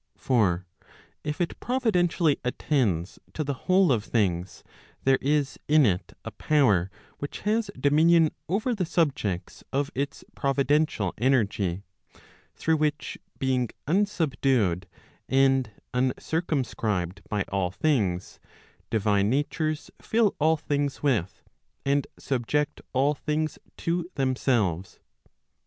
For if it providentially attends to the whole of things, there is in it a power which has dominion over the subjects of its providential energy; through which being unsubdued and uncircumscribed by all things, divine natures fill all things with, and subject all things to themselves.